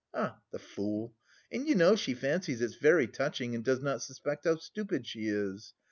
Ah, the fool! And you know she fancies it's very touching and does not suspect how stupid she is!